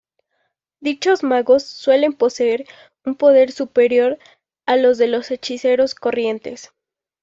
Dichos magos suelen poseer un poder superior a los de los hechiceros corrientes.